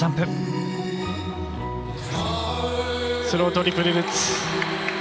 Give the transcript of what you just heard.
スロートリプルルッツ。